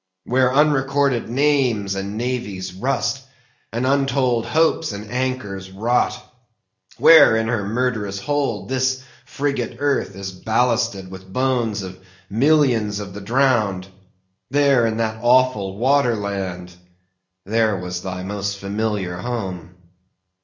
Where unrecorded names and navies rust, and untold hopes and anchors rot; where in her murderous hold this frigate earth is ballasted with bones of millions of the drowned; there, in that awful water land, there was thy most familiar home.